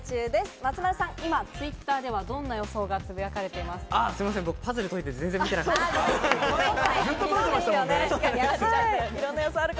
松丸さん、今Ｔｗｉｔｔｅｒではどんな予想がつぶやかれてますか？